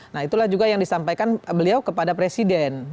nah itulah juga yang disampaikan beliau kepada presiden